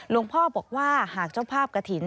หลวงพ่อบอกว่าหากเจ้าภาพกระถิ่น